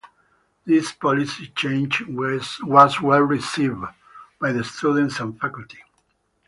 This policy change was well-received by the students and faculty.